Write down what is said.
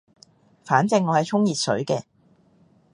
反正我係沖熱水嘅